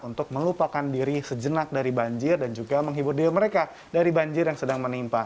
untuk melupakan diri sejenak dari banjir dan juga menghibur diri mereka dari banjir yang sedang menimpa